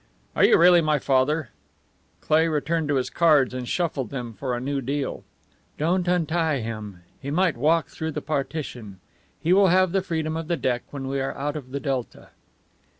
"Are you really my father?" Cleigh returned to his cards and shuffled them for a new deal. "Don't untie him. He might walk through the partition. He will have the freedom of the deck when we are out of the delta."